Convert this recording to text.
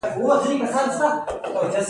غوماشې د ماشومو ژړا سبب ګرځي.